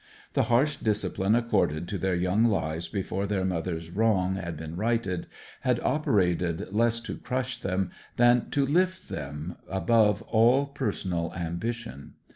The harsh discipline accorded to their young lives before their mother's wrong had been righted, had operated less to crush them than to lift them above all personal ambition.